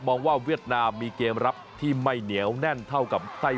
ว่าเวียดนามมีเกมรับที่ไม่เหนียวแน่นเท่ากับไส้